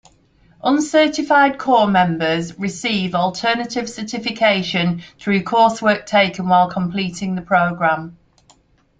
Uncertified corps members receive alternative certification through coursework taken while completing the program.